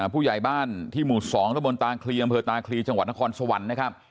ผู้ใหญ่บ้านที่หมู่๒ตะบนตาคลีอำเภอตาคลีจังหวัดนครสวรรค์นะครับ